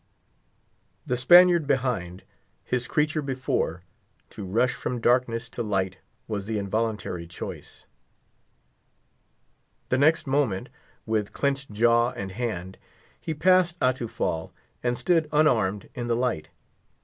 The Spaniard behind—his creature before: to rush from darkness to light was the involuntary choice. The next moment, with clenched jaw and hand, he passed Atufal, and stood unharmed in the light.